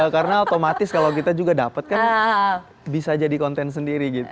karena otomatis kalau kita juga dapet kan bisa jadi konten sendiri gitu